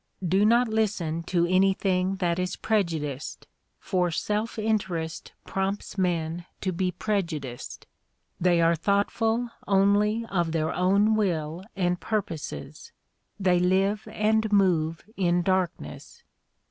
Do not listen to anything that is prejudiced, for self interest prompts men to be prejudiced. They are thoughtful only of their own will and purposes. They live and move in darkness.